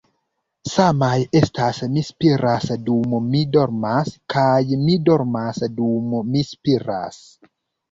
Samaj estas 'Mi spiras dum mi dormas' kaj 'Mi dormas dum mi spiras.'"